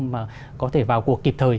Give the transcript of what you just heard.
mà có thể vào cuộc kịp thời